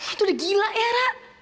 itu udah gila ya ra